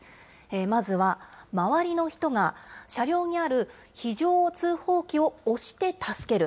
まずは、周りの人が車両にある非常通報器を押して助ける。